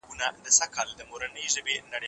ايا سياست يوازي د فرد لوبه ده؟